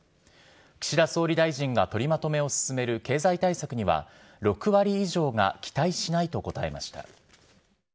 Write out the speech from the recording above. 岸田総理大臣が取りまとめを進める経済対策には、６割以上が期待しないと答えました。